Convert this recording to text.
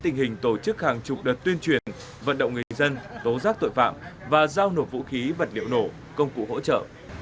tình hình tổ chức hàng chục đợt tuyên truyền vận động người dân tố giác tội phạm và giao nộp vũ khí vật liệu nổ công cụ hỗ trợ